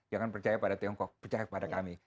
jangan percaya pada tiongkok percaya kepada kami